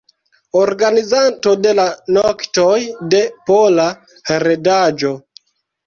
Organizanto de la Noktoj de Pola Heredaĵo.